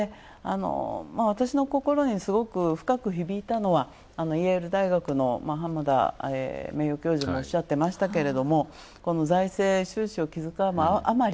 私の心にすごく深く響いたのは大学のはまだ名誉教授もおっしゃってましたけれども財政収支を気遣うあまり